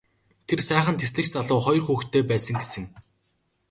Тэр сайхан дэслэгч залуу хоёр хүүхэдтэй байсан гэсэн.